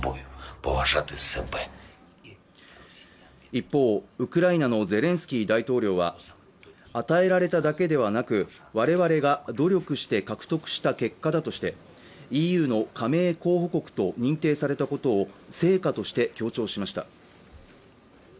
一方ウクライナのゼレンスキー大統領は与えられただけではなく我々が努力して獲得した結果としてＥＵの加盟候補国と認定されたことを成果として強調しました